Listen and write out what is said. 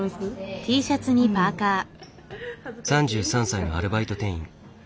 ３３歳のアルバイト店員。